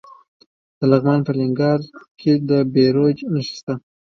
د لغمان په الینګار کې د بیروج نښې شته.